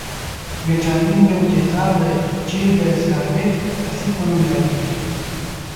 ویتامین یو تیزاب دی چې د سکاربیک اسید په نوم یادیږي.